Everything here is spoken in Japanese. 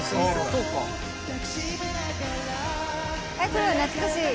これは懐かしい？